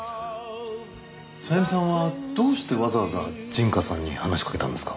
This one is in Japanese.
さゆみさんはどうしてわざわざ陣川さんに話しかけたんですか？